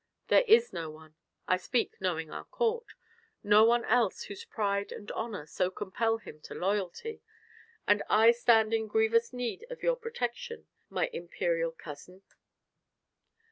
"There is no one I speak knowing our court no one else whose pride and honor so compel him to loyalty. And I stand in grievous need of your protection, my imperial cousin."